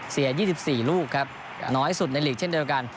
๒๔ลูกครับน้อยสุดในลีกเช่นเดียวกัน